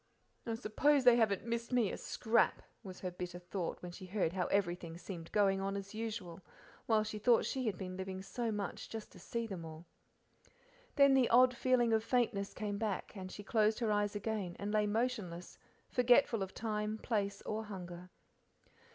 "I suppose they haven't missed me a scrap," was her bitter thought, when she heard how everything seemed going on as usual, while she had been living through so much just to see them all. Then the odd feeling of faintness came back, and she closed her eyes again and lay motionless, forgetful of time, place, or hunger.